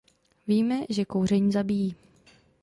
Víme, že kouření zabíjí.